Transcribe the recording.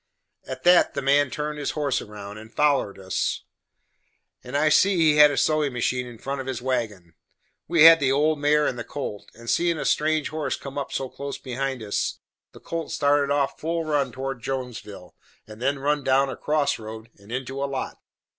At that, the man turned his horse round, and follered us, and I see he had a sewin' machine in front of his wagon. We had the old mare and the colt, and seein' a strange horse come up so close behind us, the colt started off full run towards Jonesville, and then run down a cross road and into a lot.